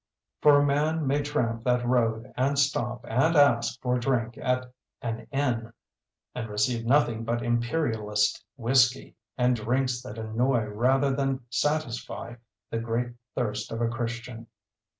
For a man may tramp that road and stop and ask for drink at an inn, and receive nothing but Imperialist whisky, and drinks that annoy rather than satisfy the great thirst of a Christian.